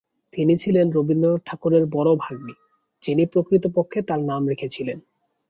তিনি ছিলেন রবীন্দ্রনাথ ঠাকুরের বড়-ভাগ্নী, যিনি প্রকৃতপক্ষে তাঁর নাম রেখেছিলেন।